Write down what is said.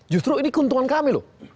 justru ini keuntungan kami loh